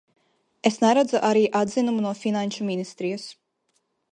Es neredzu arī atzinumu no Finanšu ministrijas.